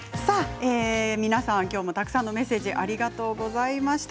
皆さん今日もたくさんのメッセージありがとうございました。